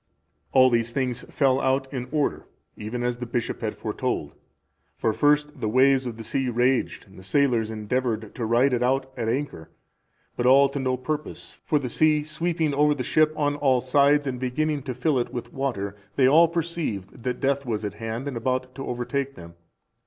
All these things fell out in order, even as the bishop had foretold. For first, the waves of the sea raged, and the sailors endeavoured to ride it out at anchor, but all to no purpose; for the sea sweeping over the ship on all sides and beginning to fill it with water, they all perceived that death was at hand and about to overtake them.